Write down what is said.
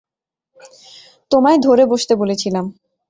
তোমায় ধরে বসতে বলেছিলাম।